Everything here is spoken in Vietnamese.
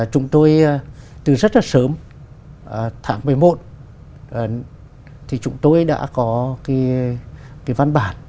chúng tôi từ rất là sớm tháng một mươi một thì chúng tôi đã có cái văn bản